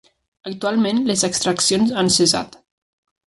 Actualment les extraccions han cessat.